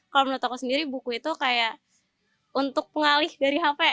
kalau menurut aku sendiri buku itu kayak untuk pengalih dari hp